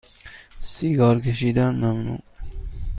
سیگار کشیدن ممنوع